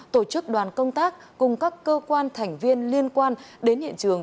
tổ chức đoàn công tác cùng các cơ quan thành viên liên quan đến hiện trường